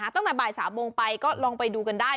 ตั้งแต่บ่าย๓โมงไปก็ลองไปดูกันได้